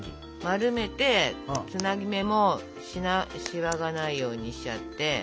丸めてつなぎ目もシワがないようにしちゃって。